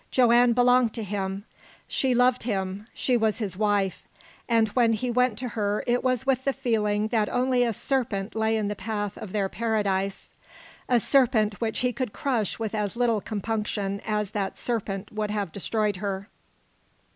Joanne belonged to him. She loved him. She was his wife, and when he went to her it was with the feeling that only a serpent lay in the path of their paradise a serpent which he would crush with as little compunction as that serpent would have destroyed her.